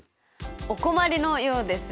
お困りのようですね。